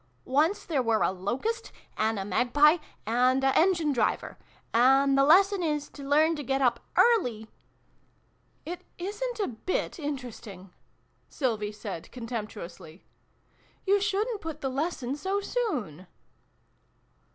"Once there were a Locust, and a Magpie, and a Engine driver. And the Lesson is, to learn to get up early " It isn't a bit interesting!" Sylvie said con temptuously. " You shouldn't put the Lesson so soon."